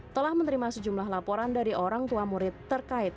telah menerima sejumlah laporan dari orang tua murid terkait